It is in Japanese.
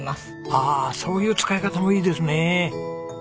ああそういう使い方もいいですね。